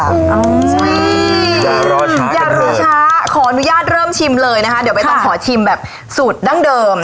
อย่ารอช้าขออนุญาตเริ่มชิมเลยนะคะเดี๋ยวใบต้องขอชิมแบบสูตรดั้งเดิม